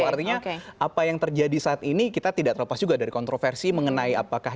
artinya apa yang terjadi saat ini kita tidak terlepas juga dari kontroversi mengenai apakah